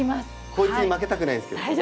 こいつにも負けたくないんですけどはい。